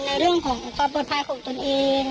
เรื่องของความปลอดภัยของตนเอง